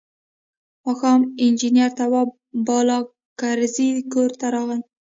ماښام انجنیر تواب بالاکرزی کور ته راغی.